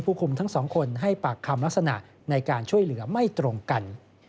คุมทั้งสองคนให้ปากคำลักษณะในการช่วยเหลือไม่ตรงกัน